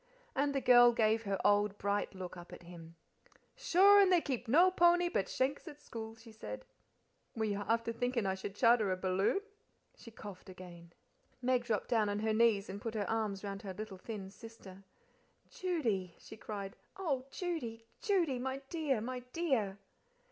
And the girl gave her old bright look up at him. "Sure and they keep no pony but shank's at school," she said; "were you afther thinkin' I should charter a balloon?" She coughed again. Meg dropped down on her knees and put her arms round her little thin sister. "Judy," she cried, "oh, Judy, Judy! my dear, my dear!"